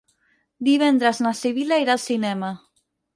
Divendres na Sibil·la irà al cinema.